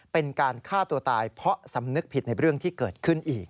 เป็นการฆ่าตัวตายเพราะสำนึกผิดในเรื่องที่เกิดขึ้นอีก